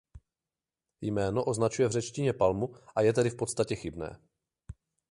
Jméno označuje v řečtině palmu a je tedy v podstatě chybné.